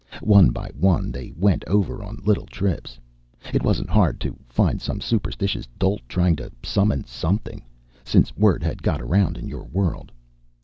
One by one, they went over on little trips. It wasn't hard to find some superstitious dolt trying to summon something, since word had got around in your world.